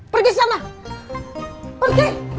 pergi sana pergi